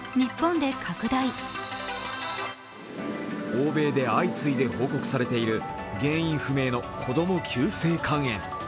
欧米で相次いで報告されている子供の急性肝炎。